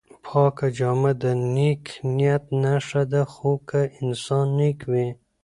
پاکه جامه د نېک نیت نښه ده خو که انسان نېک وي.